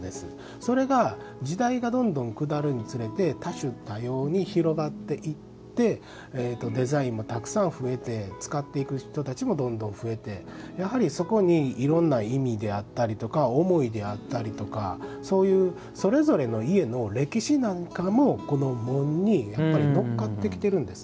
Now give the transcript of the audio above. それが、時代がどんどん下るにつれて多種多様に広がっていってデザインも、たくさん増えて、使っていく人たちもどんどん増えてやはり、そこにいろんな意味であったりとか思いであったりとかそういう、それぞれの家の歴史になんかもこの紋に乗っかってきてるです。